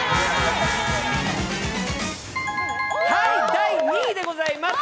第２位でございます。